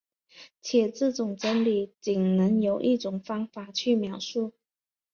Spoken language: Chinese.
且这种真理仅能由一种方法去描述。